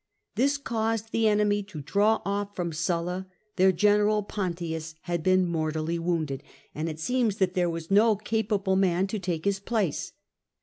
This caused the enemy to draw off from Sulla ; their general, Pontius, had been mortally wounded, and it seems that there was no capable man to take his place.